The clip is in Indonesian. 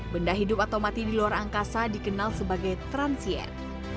benda hidup atau mati di luar angkasa dikenal sebagai transien